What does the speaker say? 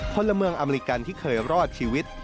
พลเมืองอเมริกันที่เคยรอดชีวิต